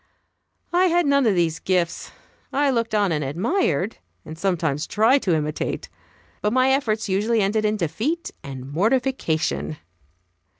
I had none of these gifts. I looked on and admired, and sometimes tried to imitate, but my efforts usually ended in defeat and mortification.